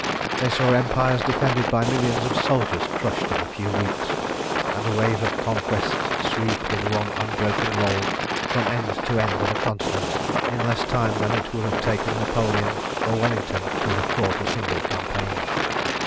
They saw empires defended by millions of soldiers crushed in a few weeks, and a wave of conquest sweep in one unbroken roll from end to end of a continent in less time than it would have taken Napoleon or Wellington to have fought a single campaign.